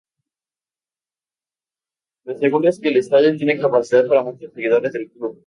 La segunda es que el estadio tiene capacidad para muchos seguidores del club.